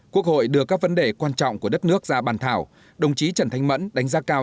quốc hội đưa các vấn đề quan trọng của đất nước ra bàn thảo đồng chí trần thanh mẫn đánh giá cao